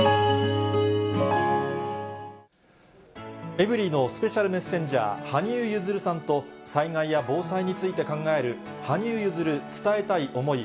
エブリィのスペシャルメッセンジャー、羽生結弦さんと、災害や防災について考える、羽生結弦伝えたい思い。